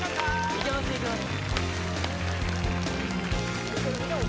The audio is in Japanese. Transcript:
いけますいけます